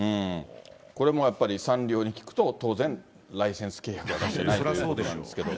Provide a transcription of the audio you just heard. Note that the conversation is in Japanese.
これもやっぱりサンリオに聞くと、当然、ライセンス契約は出してないということなんですけれども。